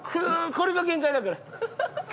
これが限界だから。